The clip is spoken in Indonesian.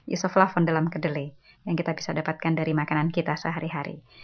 isoflavon dalam kedelai yang kita bisa dapatkan dari makanan kita sehari hari